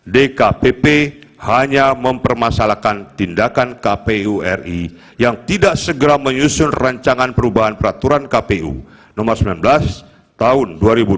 dkpp hanya mempermasalahkan tindakan kpu ri yang tidak segera menyusun rancangan perubahan peraturan kpu nomor sembilan belas tahun dua ribu dua puluh